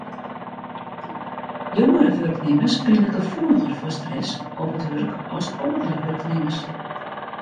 Jongere wurknimmers binne gefoeliger foar stress op it wurk as âldere wurknimmers.